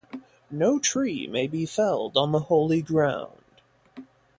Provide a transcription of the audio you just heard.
No tree may be felled on the holy ground.